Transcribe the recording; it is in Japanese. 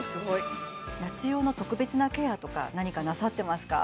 夏用の特別なケアとか何かなさってますか？